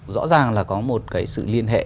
rõ ràng là có một sự liên hệ